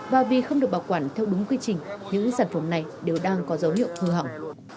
và vì không được bảo quản theo đúng quy trình những sản phẩm này đều đang có dấu hiệu hư hỏng